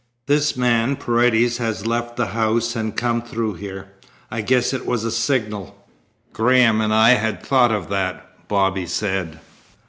This man Paredes has left the house and come through here. I'd guess it was a signal." "Graham and I had thought of that," Bobby said.